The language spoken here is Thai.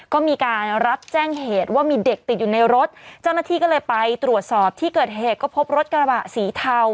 ก็มีการรับแจ้งเหตุว่ามีเด็กติดอยู่ในรถเจ้าหน้าที่ก็เลยไปตรวจสอบที่เกิดเหตุก็พบรถกระบะสีเทา